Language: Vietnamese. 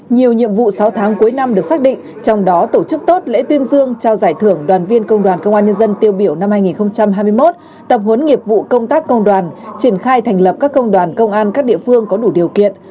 nhiều nhiệm vụ sáu tháng cuối năm được xác định trong đó tổ chức tốt lễ tuyên dương trao giải thưởng đoàn viên công đoàn công an nhân dân tiêu biểu năm hai nghìn hai mươi một tập huấn nghiệp vụ công tác công đoàn triển khai thành lập các công đoàn công an các địa phương có đủ điều kiện